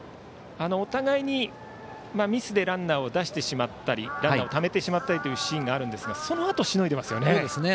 お互いにミスでランナーを出してしまったりランナーをためてしまったりというシーンがありますがそのあと、しのいでますよね。